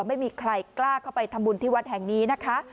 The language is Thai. ไม่มีใครกล้าเข้าไปทำบุญที่วัดแห่งนี้นะคะ